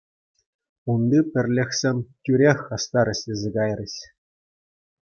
Унти пӗрлӗхсем тӳрех хастар ӗҫлесе кайрӗҫ.